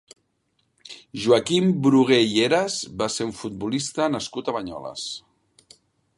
Joaquim Brugué i Heras va ser un futbolista nascut a Banyoles.